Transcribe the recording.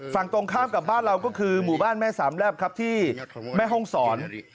ฝั่งตรงข้ามกับบ้านเราก็คือหมู่บ้านแม่สามแลบครับที่แม่ห้องศร